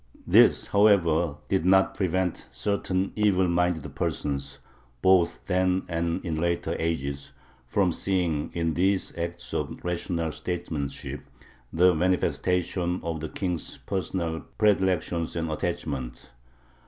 This, however, did not prevent certain evil minded persons, both then and in later ages, from seeing in these acts of rational statesmanship the manifestation of the King's personal predilections and attachments.